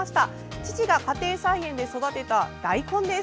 父が家庭菜園で育てた大根です。